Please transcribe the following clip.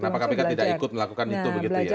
kenapa kpk tidak ikut melakukan itu begitu ya